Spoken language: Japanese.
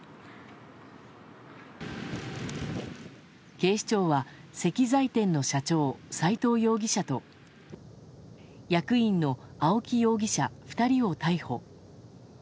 警視庁は石材店の社長斎藤容疑者と役員の青木容疑者、２人を逮捕。